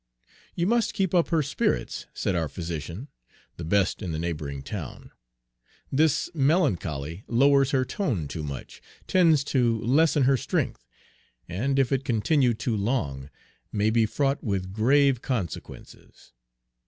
"You must keep up her spirits," said our physician, the best in the neighboring town. "This melancholy lowers her tone too much, tends to lessen her Page 133 strength, and, if it continue too long, may be fraught with grave consequences."